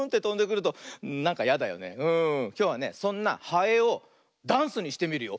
きょうはねそんなハエをダンスにしてみるよ。